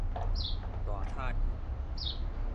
大塔悠